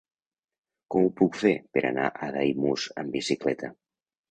Com ho puc fer per anar a Daimús amb bicicleta?